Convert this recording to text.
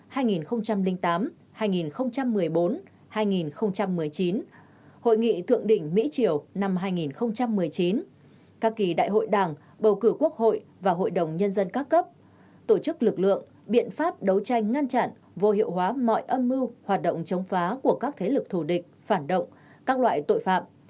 năm chủ tịch asean hai nghìn một mươi hai nghìn một mươi chín hội nghị thượng đỉnh mỹ triều năm hai nghìn một mươi chín các kỳ đại hội đảng bầu cử quốc hội và hội đồng nhân dân các cấp tổ chức lực lượng biện pháp đấu tranh ngăn chặn vô hiệu hóa mọi âm mưu hoạt động chống phá của các thế lực thù địch phản động các loại tội phạm